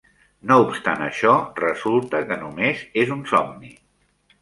No obstant això, resulta que només és un somni.